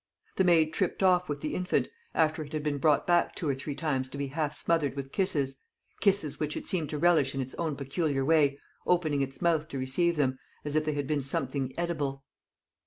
The maid tripped off with the infant, after it had been brought back two or three times to be half smothered with kisses kisses which it seemed to relish in its own peculiar way, opening its mouth to receive them, as if they had been something edible.